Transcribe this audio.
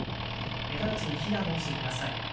直ちに避難をしてください。